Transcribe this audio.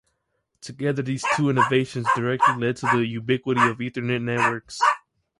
Together these two innovations directly led to the ubiquity of Ethernet networks.